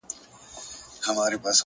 او بې جوړې زيارت ته راسه زما واده دی گلي!